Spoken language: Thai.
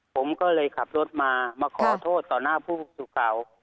ผมก็เลยขับรถมามาขอโทษต่อหน้าผู้สื่อข่าว